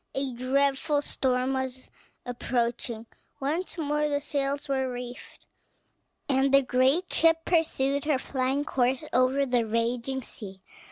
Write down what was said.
A dreadful storm was approaching; once more the sails were reefed, and the great ship pursued her flying course over the raging sea.